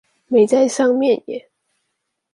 沒在上面耶